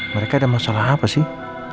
mereka ada masalah apa sih